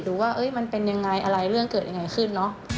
ดูว่ามันเป็นอย่างไรเรื่องเกิดอย่างไรขึ้น